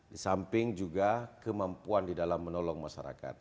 di samping juga kemampuan di dalam menolong masyarakat